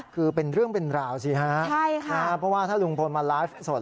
คือเป็นเรื่องเป็นราวสิฮะใช่ค่ะเพราะว่าถ้าลุงพลมาไลฟ์สด